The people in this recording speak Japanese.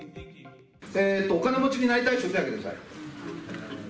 お金持ちになりたい人、手を挙げてください。